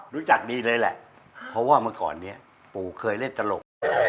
รู้จักดีเลยแหละเพราะว่าเมื่อก่อนนี้ปู่เคยเล่นตลก